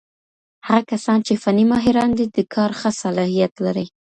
هغه کسان چی فني ماهران دي د کار ښه صلاحيت لري.